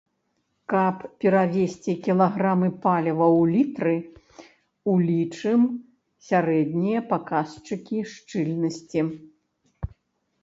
Каб перавесці кілаграмы паліва ў літры, улічым сярэднія паказчыкі шчыльнасці.